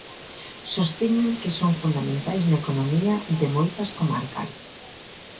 Sosteñen que son fundamentais na economía de moitas comarcas.